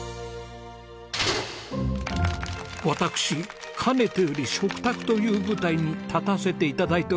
私かねてより食卓という舞台に立たせて頂いております